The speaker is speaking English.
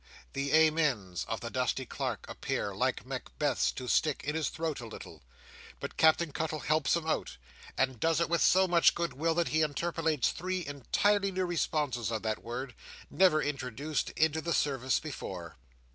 The amens of the dusty clerk appear, like Macbeth's, to stick in his throat a little; but Captain Cuttle helps him out, and does it with so much goodwill that he interpolates three entirely new responses of that word, never introduced into the service before.